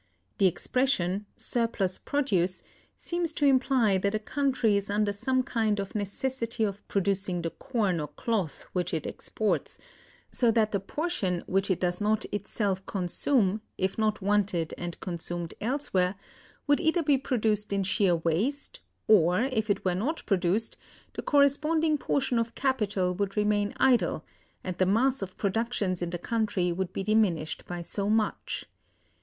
The expression, surplus produce, seems to imply that a country is under some kind of necessity of producing the corn or cloth which it exports; so that the portion which it does not itself consume, if not wanted and consumed elsewhere, would either be produced in sheer waste, or, if it were not produced, the corresponding portion of capital would remain idle, and the mass of productions in the country would be diminished by so much.